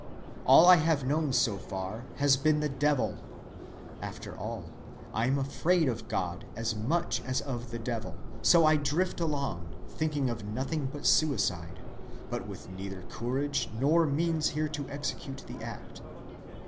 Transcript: All I have known so far has been the devil. After all, I am afraid of God as much as of the devil, so I drift along, thinking of nothing but suicide, but with neither courage nor means here to execute the act.